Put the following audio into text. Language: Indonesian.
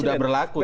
sudah berlaku ya